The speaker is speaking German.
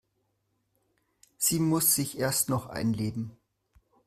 Sie muss sich erst noch einleben.